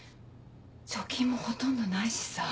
貯金もほとんどないしさ。